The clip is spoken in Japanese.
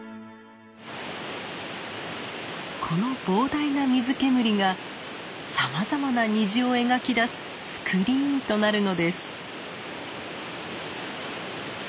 この膨大な水煙がさまざまな虹を描き出すスクリーンとなるのです。